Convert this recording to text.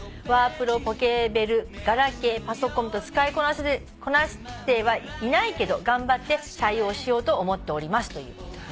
「ワープロポケベルガラケーパソコンと使いこなせてはいないけど頑張って対応しようと思っております」という。